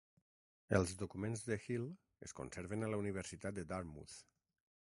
Els documents de Hill es conserven a la Universitat de Darmouth.